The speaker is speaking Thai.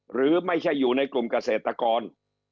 หรือไม่ใช่อยู่ในกลุ่มเกษตรกร